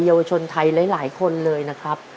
เยาวชนไทยหลายคนเลยนะครับ